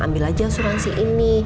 ambil aja asuransi ini